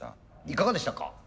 いかがでしたか？